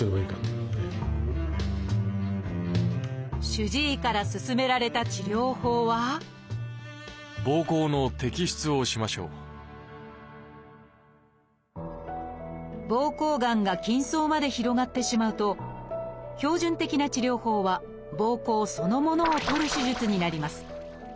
主治医から勧められた治療法は膀胱がんが筋層まで広がってしまうと標準的な治療法は膀胱そのものを取る手術になります。